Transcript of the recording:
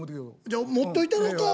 じゃ持っといたろか？